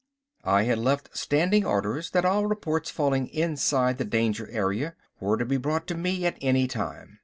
I had left standing orders that all reports falling inside the danger area were to be brought to me at any time.